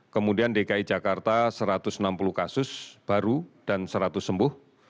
kemudian dki jakarta satu ratus enam puluh kasus baru dan seratus sembuh